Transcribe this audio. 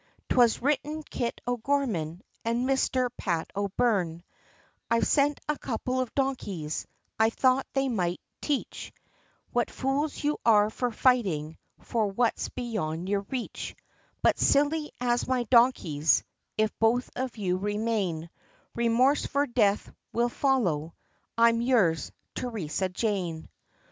'Twas written: "Kit O'Gorman, and Mister Pat O'Byrne, I've sent a couple of donkeys, I thought that they might teach What fools you are, for fighting, for what's beyond your reach, But, silly as my donkeys, if both of you remain, Remorse for death, will follow, I'm yours, Theresa Jane."